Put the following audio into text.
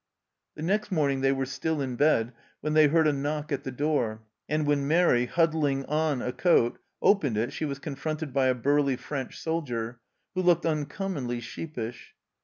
The next morning they were still in bed when they heard a knock at the door, and when Mairi, huddling on a coat, opened it she was confronted by a burly French soldier, who looked uncom monly sheepish.